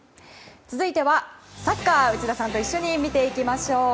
続いてはサッカー内田さんと一緒に見ていきましょう。